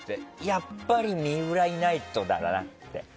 やっぱり水卜いないとだなって。